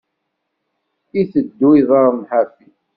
Iteddu, iḍarren ḥafi.